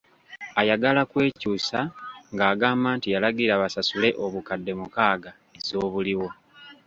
Ayagala kwekyusa ng’agamba nti yalagira basasule obukadde mukaaga ez’obuliwo.